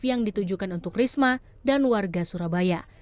yang ditujukan untuk risma dan warga surabaya